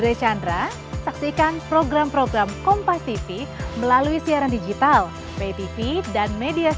senangnya juga k engagements apertasnya berlaku dua tiga bar recovering